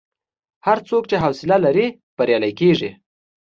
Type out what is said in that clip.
هر څوک چې حوصله لري، بریالی کېږي.